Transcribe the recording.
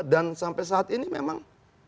sampai saat ini memang